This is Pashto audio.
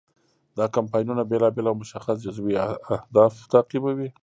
دا کمپاینونه بیلابیل او مشخص جزوي اهداف تعقیبوي.